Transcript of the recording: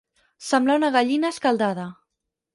Semblar una gallina escaldada.